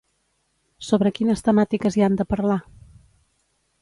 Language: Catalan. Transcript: Sobre quines temàtiques hi han de parlar?